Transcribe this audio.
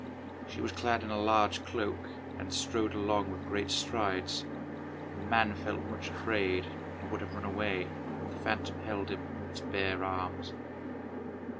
She was clad in a large cloak, and strode along with great strides. The man felt much afraid, and would have run away, but the phantom held him with its bare arms.